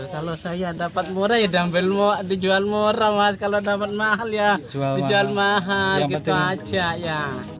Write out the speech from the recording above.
kalau saya dapat murah ya dijual murah mas kalau dapat mahal ya dijual mahal gitu aja ya